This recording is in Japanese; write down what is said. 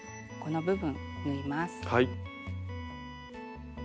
はい。